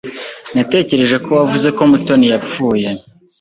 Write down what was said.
Natekereje ko wavuze ko Mutoni yapfuye.